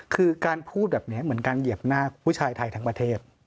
คือการพูดแบบนี้เหมือนการเหยียบหน้าผู้ชายไทยทั้งประเทศ